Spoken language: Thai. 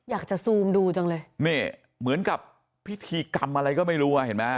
ซูมดูจังเลยนี่เหมือนกับพิธีกรรมอะไรก็ไม่รู้อ่ะเห็นไหม